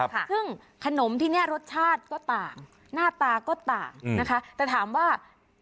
ซึ่งขนมที่เนี้ยรสชาติก็ต่างหน้าตาก็ต่างนะคะแต่ถามว่า